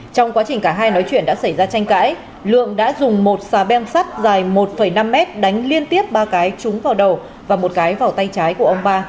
trong quá trình cả hai nói chuyện đã xảy ra tranh cãi lượng đã dùng một xà bem sắt dài một năm mét đánh liên tiếp ba cái trúng vào đầu và một cái vào tay trái của ông ba